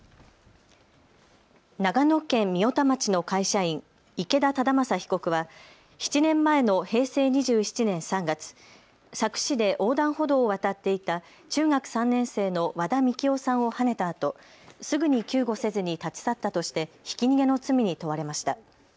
長野県御代田町の会社員、池田忠正被告は７年前の平成２７年３月、佐久市で横断歩道を渡っていた中学３年生の和田樹生さんをはねたあと、すぐに救護せずに立ち去ったとしてひき逃げの罪に問われました。